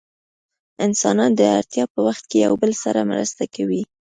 انسانان د اړتیا په وخت کې له یو بل سره مرسته کوي.